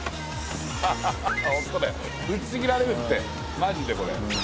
ぶっちぎられるってマジでこれ。